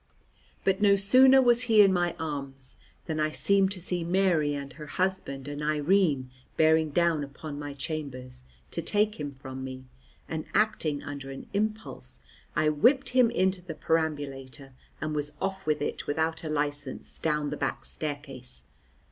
But no sooner was he in my arms than I seemed to see Mary and her husband and Irene bearing down upon my chambers to take him from me, and acting under an impulse I whipped him into the perambulator and was off with it without a license down the back staircase.